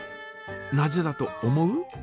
なぜだと思う？